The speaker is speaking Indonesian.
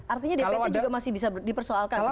artinya dpt juga masih bisa dipersoalkan